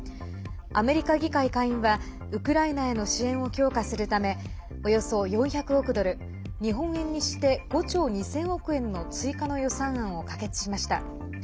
アメリカ議会下院はウクライナへの支援を強化するためおよそ４００億ドル日本円にして５兆２０００億円の追加の予算案を可決しました。